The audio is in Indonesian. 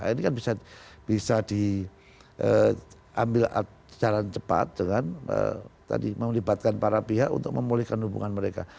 ini kan bisa diambil jalan cepat dengan tadi melibatkan para pihak untuk memulihkan hubungan mereka